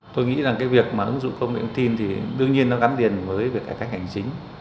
tôi nghĩ rằng cái việc mà ứng dụng công nghệ thông tin thì đương nhiên nó gắn điền với việc cải cách hành chính